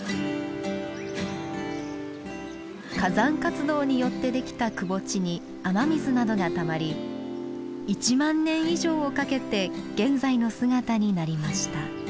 火山活動によってできたくぼ地に雨水などがたまり１万年以上をかけて現在の姿になりました。